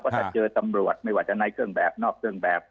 ถ้าเจอตำรวจไม่ว่าจะในเครื่องแบบนอกเครื่องแบบ